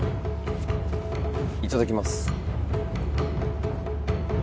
いただきます。